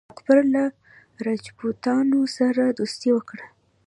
اکبر له راجپوتانو سره دوستي وکړه.